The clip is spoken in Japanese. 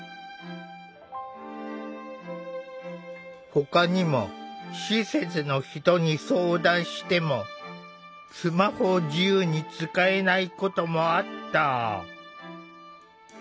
ほかにも施設の人に相談してもスマホを自由に使えないこともあった。